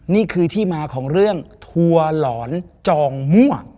นี่คือที่มาของเรื่องทัวร์หลอนจองมั่ว